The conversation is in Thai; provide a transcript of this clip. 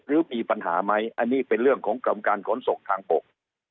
หรือมีปัญหาไหมอันนี้เป็นเรื่องของกรมการขนส่งทางบก